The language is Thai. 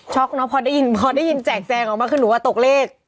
ช็อคเนอะพอได้ยินแจกแซงออกมาคือหนูว่าตกเลข